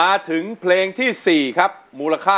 หนึ่งที่จะรู้ค่ะ